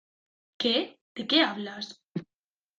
¿ Qué? ¿ de qué hablas ?